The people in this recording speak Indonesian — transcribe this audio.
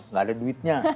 nggak ada duitnya